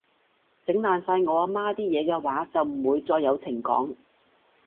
整爛晒我阿媽啲嘢嘅話，就唔會再有情講